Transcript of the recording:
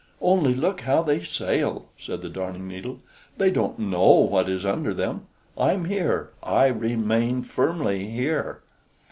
"Only look how they sail!" said the Darning needle. "They don't know what is under them! I'm here, I remain firmly here.